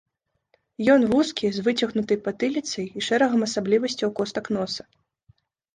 Ён вузкі, з выцягнутай патыліцай і шэрагам асаблівасцяў костак носа.